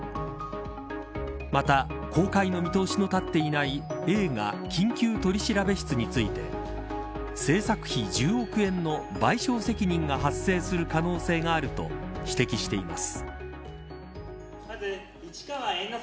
また、公開の見通しは立っていない映画、緊急取調室について制作費１０億円の賠償責任が発生する可能性があると指摘しています。